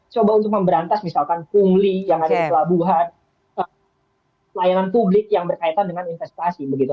coba untuk memberantas misalkan pungli yang ada di pelabuhan layanan publik yang berkaitan dengan investasi begitu